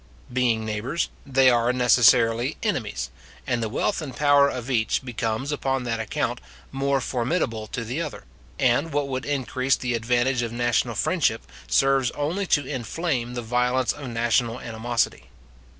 Being neighbours, they are necessarily enemies, and the wealth and power of each becomes, upon that account, more formidable to the other; and what would increase the advantage of national friendship, serves only to inflame the violence of national animosity.